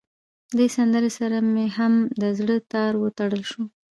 دې سندره سره مې هم د زړه تار وتړل شو.